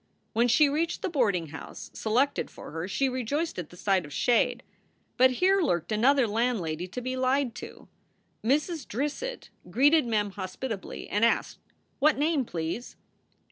When she reached the boarding house selected for her, she rejoiced at the sight of shade. But here lurked another landlady to be lied to. Mrs. Drissett greeted Mem hos pitably and asked, "What name, please?"